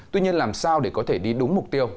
tuy nhiên làm sao để có thể đi đúng mục tiêu